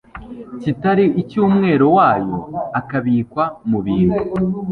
kitari icyumwero wayo akabikwa mu bintu